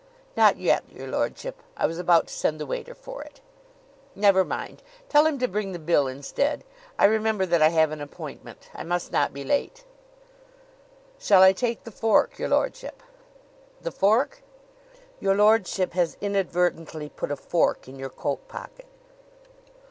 "Not yet, your lordship. I was about to send the waiter for it." "Never mind. Tell him to bring the bill instead. I remember that I have an appointment. I must not be late." "Shall I take the fork, your lordship?" "The fork?" "Your lordship has inadvertently put a fork in your coat pocket."